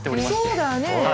そうだね！